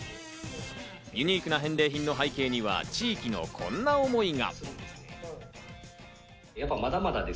ユニークな返礼品の背景には地域のこんな思いが。